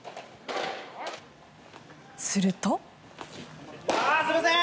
すると。